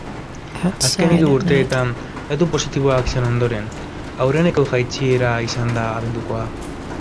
Azken hiru urteetan datu positiboak izan ondoren, aurreneko jaitsiera izan da abendukoa.